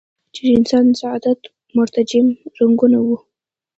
چې د انسان سعادت مترجم رنګونه وو.